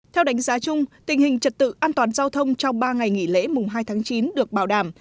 theo đánh giá chung tình hình trật tự an toàn giao thông trong ba ngày nghỉ lễ mùng hai tháng chín được bảo đảm